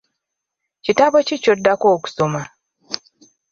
Kitabo ki ky'oddako okusoma?